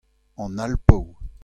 An Alpoù.